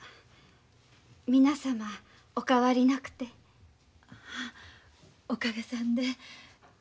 皆様お変わりなくて？はあおかげさんで。